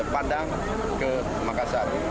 pandang ke makassar